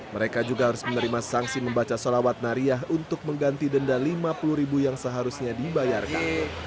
mereka juga harus menerima sanksi membaca salawat nariah untuk mengganti denda lima puluh ribu yang seharusnya dibayarkan